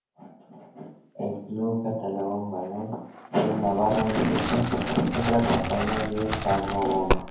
El club catalán bajó y el navarro militó otra campaña en Tarragona.